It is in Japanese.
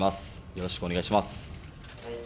よろしくお願いします。